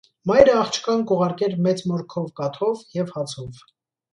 Մայրը աղջկան կ՛ուղարկէր մեծ մօր քով կաթով եւ հացով։